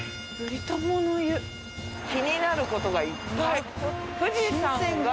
気になることがいっぱい。